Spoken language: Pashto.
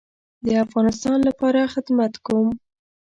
د افغانستان لپاره خدمت کوم